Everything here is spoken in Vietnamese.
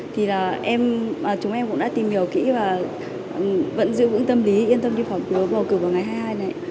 thì là chúng em cũng đã tìm hiểu kỹ và vẫn giữ vững tâm lý yên tâm đi bỏ phiếu bầu cử vào ngày hai mươi hai này